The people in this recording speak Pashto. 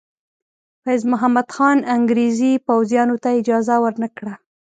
فیض محمد خان انګریزي پوځیانو ته اجازه ور نه کړه.